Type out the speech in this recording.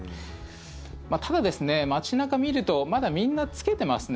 ただ、街中見るとまだみんな着けてますね。